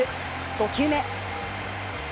５球目。